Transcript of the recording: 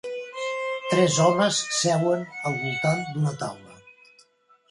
Tres homes seuen al voltant d'una taula.